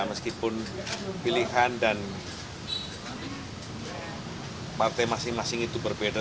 meskipun pilihan dan partai masing masing itu berbeda